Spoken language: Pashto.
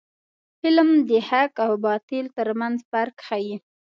فلم د حق او باطل ترمنځ فرق ښيي